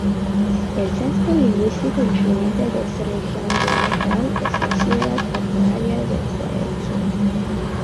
El centro lingüístico influyente de esta región dialectal es la ciudad portuaria de Guayaquil.